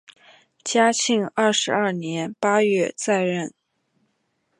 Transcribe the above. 嘉庆二十二年八月再任。